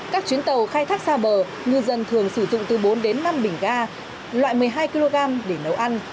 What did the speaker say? các chuyến tàu khai thác xa bờ ngư dân thường sử dụng từ bốn đến năm bình ga loại một mươi hai kg để nấu ăn